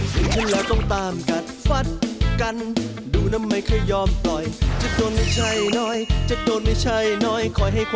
โปรดติดตามต่อไป